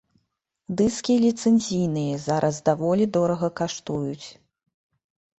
Дыскі ліцэнзійныя зараз даволі дорага каштуюць.